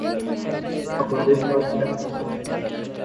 ہمارے ساتھ ایسا نہیں۔